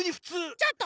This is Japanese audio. ちょっと！